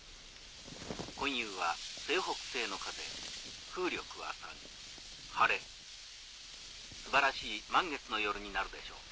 今夕は西北西の風風力は３晴れ素晴らしい満月の夜になるでしょう。